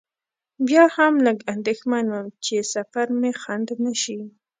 بیا هم لږ اندېښمن وم چې سفر مې خنډ نه شي.